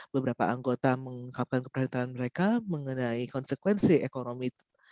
beberapa anggota mengungkapkan keperhatikan mereka mengenai konsekuensi ekonomi